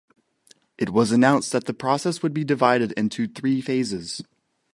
It was announced that the process would be divided into three phases.